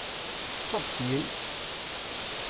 Ṣubb-d syin!